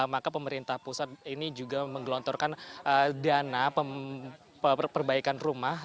maka pemerintah pusat ini juga menggelontorkan dana perbaikan rumah